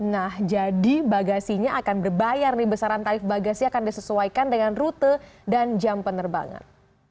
nah jadi bagasinya akan berbayar nih besaran tarif bagasi akan disesuaikan dengan rute dan jam penerbangan